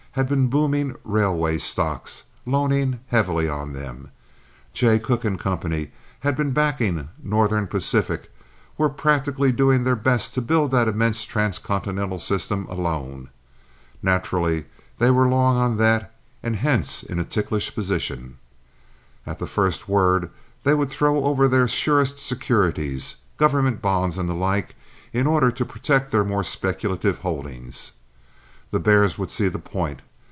had been booming railway stocks—loaning heavily on them. Jay Cooke & Co. had been backing Northern Pacific—were practically doing their best to build that immense transcontinental system alone. Naturally, they were long on that and hence in a ticklish position. At the first word they would throw over their surest securities—government bonds, and the like—in order to protect their more speculative holdings. The bears would see the point.